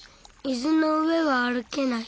水の上は歩けない。